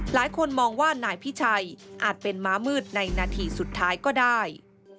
หลายคนมองว่านายพิชัยอาจเป็นม้ามืดในนาทีสุดท้ายก็ได้